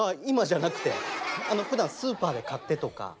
今じゃなくて。ふだんスーパーで買ってとか。